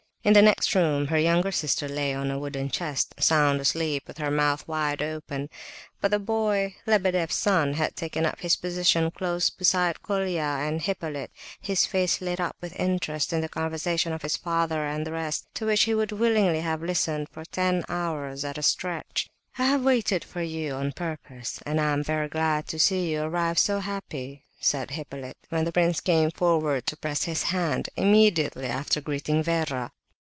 In the next room her younger sister lay on a wooden chest, sound asleep, with her mouth wide open; but the boy, Lebedeff's son, had taken up his position close beside Colia and Hippolyte, his face lit up with interest in the conversation of his father and the rest, to which he would willingly have listened for ten hours at a stretch. "I have waited for you on purpose, and am very glad to see you arrive so happy," said Hippolyte, when the prince came forward to press his hand, immediately after greeting Vera.